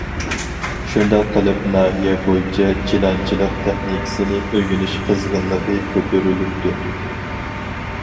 شۇنداق قىلىپ ناھىيە بويىچە چىلانچىلىق تېخنىكىسىنى ئۆگىنىش قىزغىنلىقى كۆتۈرۈلۈپتۇ.